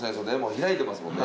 開いてますもんね。